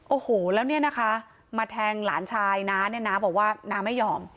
โอ้โหแล้วเนี่ยนะคะมาแทงหลานชายน้าเนี่ยน้าบอกว่าน้าไม่ยอม